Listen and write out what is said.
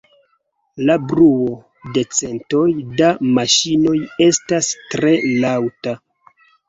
La bruo de centoj da maŝinoj estas tre laŭta.